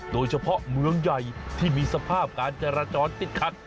โดยเฉพาะเมืองใหญ่ที่มีสภาพการจราจรติดขัด